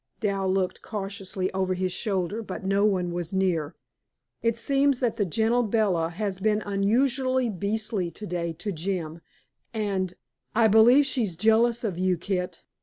Dal looked cautiously over his shoulder, but no one was near. "It seems that the gentle Bella has been unusually beastly today to Jim, and I believe she's jealous of you, Kit.